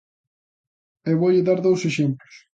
E voulle dar dous exemplos.